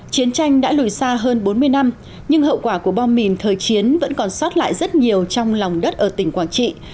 chiến tranh đã lùi xa hơn bốn mươi năm nhưng hậu quả của bom mìn thời chiến vẫn còn sót lại rất nhiều trong lòng đất ở tỉnh quảng trị